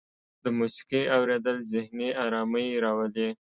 د موسیقۍ اوریدل ذهني ارامۍ راولي.